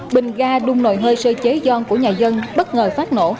bình ga đung nồi hơi sơ chế giòn của nhà dân bất ngờ phát nổ